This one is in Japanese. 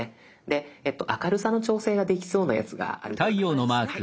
で明るさの調整ができそうなやつがあるではないですか。